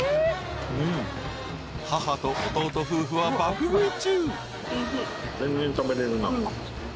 ［母と弟夫婦は爆食い中］